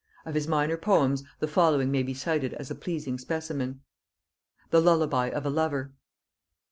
Of his minor poems the following may be cited as a pleasing specimen. THE LULLABY OF A LOVER.